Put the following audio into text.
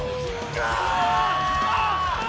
ああ！